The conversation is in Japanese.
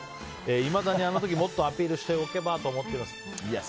いまだに、あの時もっとアピールしておけばと思ってます。